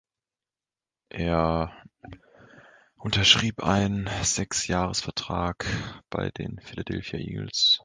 Er unterschrieb einen Sechs-Jahres-Vertrag bei den Philadelphia Eagles.